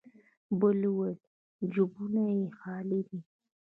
بل وويل: جيبونه يې خالي دی.